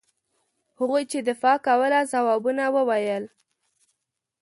هغوی چې دفاع کوله ځوابونه وویل.